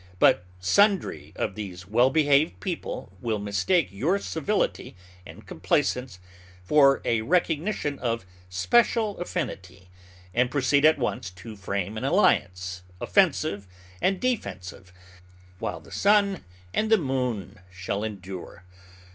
But sundry of these well behaved people will mistake your civility and complacence for a recognition of special affinity, and proceed at once to frame an alliance offensive and defensive while the sun and the moon shall endure.